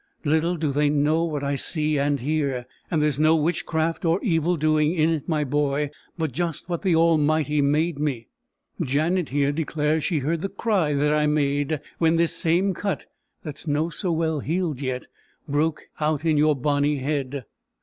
Little do they know what I see and hear. And there's no witchcraft or evil doing in it, my boy; but just what the Almighty made me. Janet, here, declares she heard the cry that I made, when this same cut, that's no so well healed yet, broke out in your bonny head.